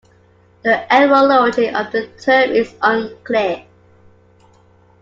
The etymology of the term is unclear.